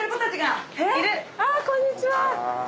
あっこんにちは。